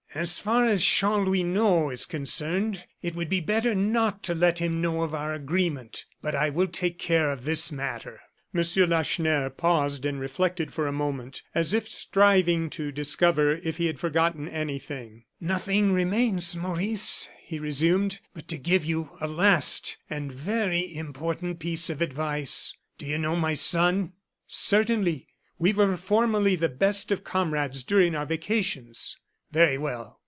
"As far as Chanlouineau is concerned, it would be better not to let him know of our agreement but I will take care of this matter." M. Lacheneur paused and reflected for a moment, as if striving to discover if he had forgotten anything. "Nothing remains, Maurice," he resumed, "but to give you a last and very important piece of advice. Do you know my son?" "Certainly; we were formerly the best of comrades during our vacations." "Very well.